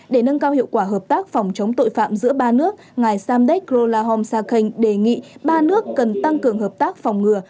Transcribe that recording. để nâng cao hiệu quả hợp tác phòng chống tội phạm giữa ba nước ngài samdech krolahom sakeng đề nghị ba nước cần tăng cường hợp tác phòng ngừa